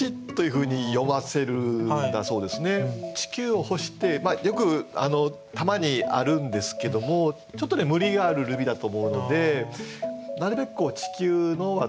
「地球」を「ほし」ってよくたまにあるんですけどもちょっとね無理があるルビだと思うのでなるべく「地球の」はですね